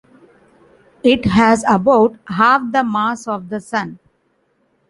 It has about half the mass of the Sun.